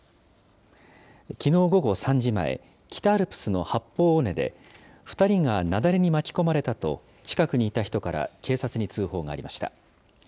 きのう午後３時前、北アルプスの八方尾根で、２人が雪崩に巻き込まれたと、近くにいた人から警察に通報がありました。